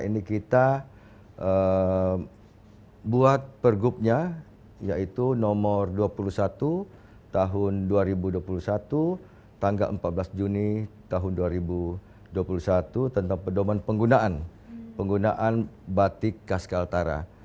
ini kita buat pergubnya yaitu nomor dua puluh satu tahun dua ribu dua puluh satu tanggal empat belas juni tahun dua ribu dua puluh satu tentang pedoman penggunaan penggunaan batik khas kaltara